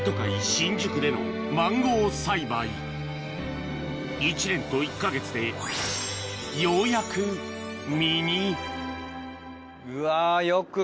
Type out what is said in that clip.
新宿でのマンゴー栽培１年と１か月でようやくうわ。